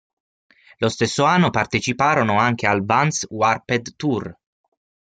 Lo stesso anno parteciparono anche al Vans Warped Tour.